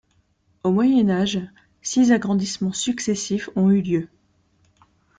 Au Moyen Âge, six agrandissements successifs ont eu lieu.